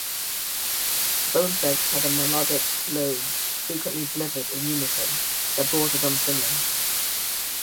Bone Thugs had a melodic flow-frequently delivered in unison-that bordered on singing.